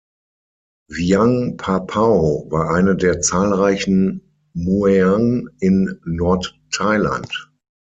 Wiang Pa Pao war eine der zahlreichen "Mueang" in Nordthailand.